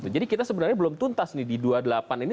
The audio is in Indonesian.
jadi kita sebenarnya belum tuntas nih di dua puluh delapan ini